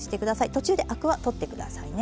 途中でアクは取って下さいね。